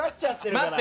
待って！